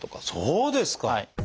そうですか！